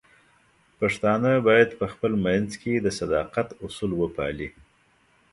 پښتانه بايد په خپل منځ کې د صداقت اصول وپالي.